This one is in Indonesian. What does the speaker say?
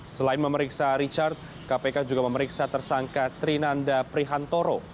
selain memeriksa richard kpk juga memeriksa tersangka trinanda prihantoro